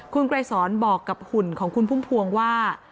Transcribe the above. คุณไกรสอนบอกกับหุ่นของคุณพุ่มพวงว่า